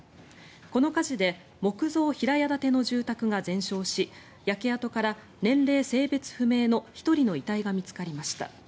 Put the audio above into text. この火事で木造平屋建ての住宅が全焼し焼け跡から年齢・性別不明の１人の遺体が見つかりました。